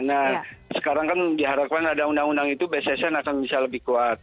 nah sekarang kan diharapkan ada undang undang itu bssn akan bisa lebih kuat